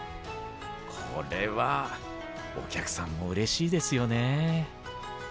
これはお客さんもうれしいですよね。